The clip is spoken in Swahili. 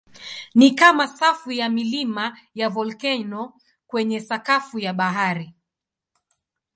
Ni kama safu ya milima ya volkeno kwenye sakafu ya bahari.